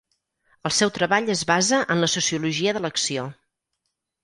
El seu treball es basa en la sociologia de l'acció.